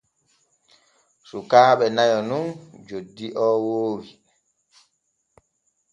Sukaaɓe nayo nun joddi o woodi.